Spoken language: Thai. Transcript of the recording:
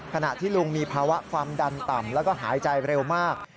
ขณะที่ลุงมีภาวะความดันต่ำแล้วก็หายใจเร็วมาก